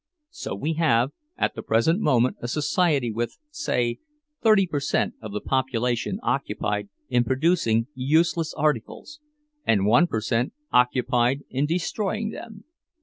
So we have, at the present moment, a society with, say, thirty per cent of the population occupied in producing useless articles, and one per cent occupied in destroying them.